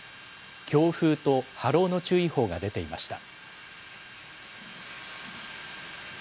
強風と波浪の注意報が出ていました。